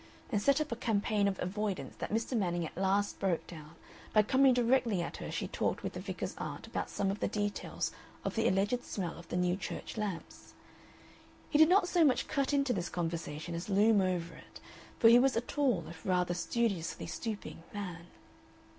and set up a campaign of avoidance that Mr. Manning at last broke down by coming directly at her as she talked with the vicar's aunt about some of the details of the alleged smell of the new church lamps. He did not so much cut into this conversation as loom over it, for he was a tall, if rather studiously stooping, man.